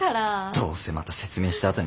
どうせまた説明したあとに。